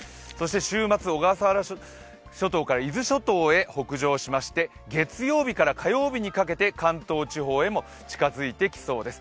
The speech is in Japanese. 週末、小笠原諸島から伊豆諸島へ北上しまして、月曜日から火曜日にかけて関東地方にも近づいてきそうです。